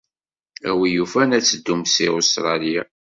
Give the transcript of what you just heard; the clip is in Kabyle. A win yufan ad teddumt seg Ustṛalya.